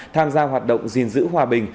tham gia hoạt động diện giữ hòa bình